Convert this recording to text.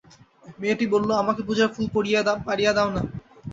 মেয়েটি বলিল, আমাকে পূজার ফুল পাড়িয়া দাও-না।